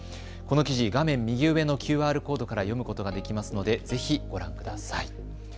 この記事、画面右上のＱＲコードから読むことができますのでぜひご覧ください。